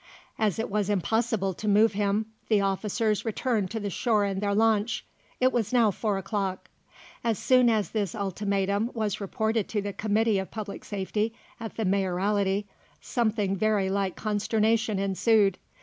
As it was impossible to move him, the officers returned to the shore in their launch. It was now four o'clock. As soon as this ultimatum was reported to the Committee of Public Safety at the Mayoralty, something very like consternation ensued.